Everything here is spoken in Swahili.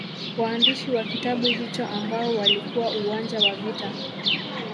Waandishi wa kitabu hicho ambao walikuwa uwanja wa vita